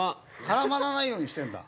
絡まらないようにしてるんだ。